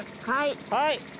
はい。